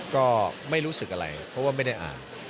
ก็ไม่รู้สึกอะไรเพราะว่าไม่ได้อ่าน